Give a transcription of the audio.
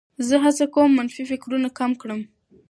زه هڅه کوم منفي فکرونه کم کړم.